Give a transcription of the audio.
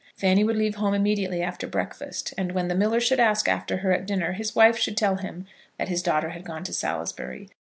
Fanny would leave home immediately after breakfast, and when the miller should ask after her at dinner his wife should tell him that his daughter had gone to Salisbury.